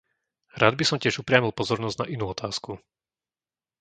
Rád by som tiež upriamil pozornosť na inú otázku.